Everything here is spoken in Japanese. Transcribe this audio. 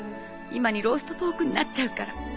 今にローストポークになっちゃうから。